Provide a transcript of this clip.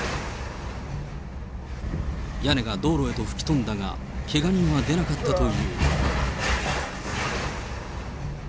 屋根が道路へと吹き飛んだが、けが人は出なかったという。